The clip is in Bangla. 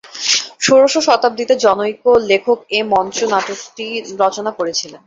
ষোড়শ শতাব্দীতে জনৈক লেখক এ মঞ্চ নাটকটি রচনা করেছিলেন।